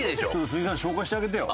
鈴木さん紹介してあげてよ。